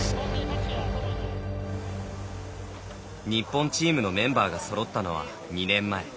日本チームのメンバーがそろったのは２年前。